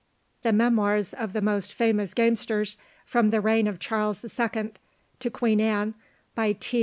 The "Memoirs of the most famous Gamesters from the reign of Charles II. to Queen Anne, by T.